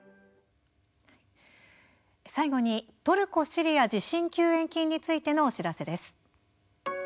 最後に「トルコ・シリア地震救援金」についてのお知らせです。